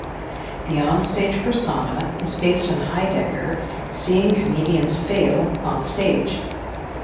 The onstage persona is based on Heidecker seeing comedians fail onstage.